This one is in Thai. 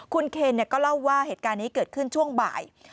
คุณเคนก็เล่าว่าเหตุการณ์นี้เกิดขึ้นช่วงบ่าย